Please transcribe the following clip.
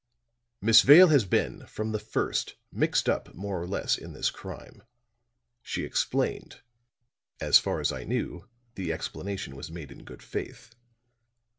Miss Vale has been from the first mixed up more or less in this crime. She explained. As far as I knew the explanation was made in good faith.